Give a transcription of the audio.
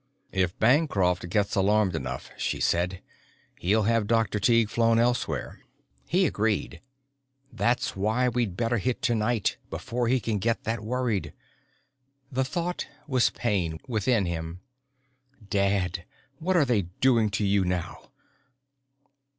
"If Bancroft gets alarmed enough," she said, "he'll have Dr. Tighe flown elsewhere." He agreed. "That's why we'd better hit tonight, before he can get that worried." The thought was pain within him. _Dad, what are they doing to you now?